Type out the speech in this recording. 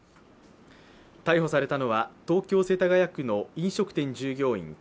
逮捕されたのは、東京・世田谷区の飲食店従業員